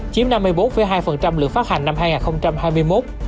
chiếm năm mươi bốn hai lượng phát hành năm hai nghìn hai mươi một